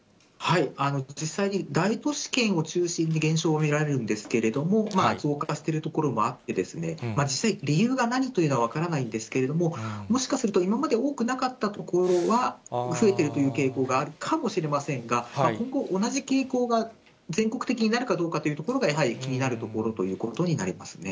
実際に大都市圏を中心に減少が見られるんですけれども、増加している所もあって、実際、理由が何というのは分からないんですけれども、もしかすると今まで多くなかった所が増えているという傾向があるかもしれませんが、今後、同じ傾向が全国的になるかどうかというところが、やはり気になるところということになりますね。